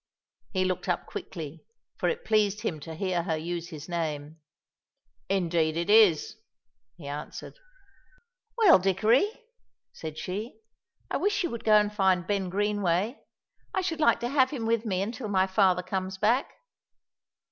He looked up quickly, for it pleased him to hear her use his name. "Indeed it is," he answered. "Well, Dickory," said she, "I wish you would go and find Ben Greenway. I should like to have him with me until my father comes back."